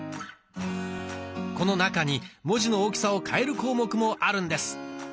この中に文字の大きさを変える項目もあるんです。